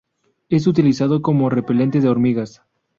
Es utilizado como repelente de hormigas.